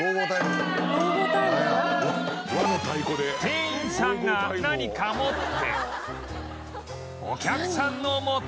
店員さんが何か持ってお客さんの元へ